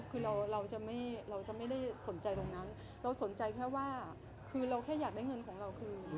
คือเราจะไม่เราจะไม่ได้สนใจตรงนั้นเราสนใจแค่ว่าคือเราแค่อยากได้เงินของเราคืน